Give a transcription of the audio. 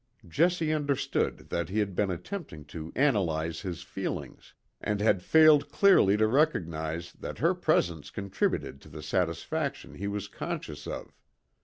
Jessie understood that he had been attempting to analyse his feelings, and had failed clearly to recognise that her presence contributed to the satisfaction he was conscious of.